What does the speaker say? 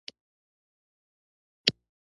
چوپتيا له ستونزو د تېرېدلو لپاره